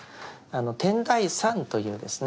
天台山というですね